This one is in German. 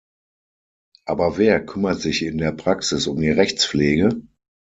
Aber wer kümmert sich in der Praxis um die Rechtspflege?